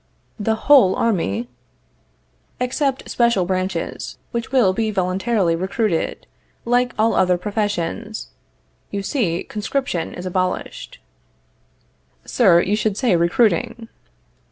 The whole army? Except special branches, which will be voluntarily recruited, like all other professions. You see, conscription is abolished. Sir, you should say recruiting.